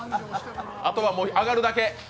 あとはもう上がるだけ。